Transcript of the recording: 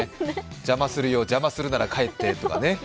邪魔するよ邪魔するなら帰ってとかね。